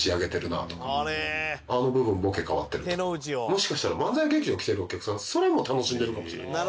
もしかしたら漫才劇場来てるお客さんそれも楽しんでるかもしれない。